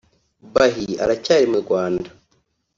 Bah aracyari mu Rwanda